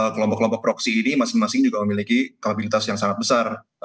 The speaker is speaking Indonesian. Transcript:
kelompok kelompok proksi ini masing masing juga memiliki kapabilitas yang sangat besar